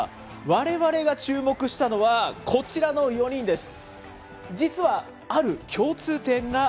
われわれが注目したのはこちらの４人です。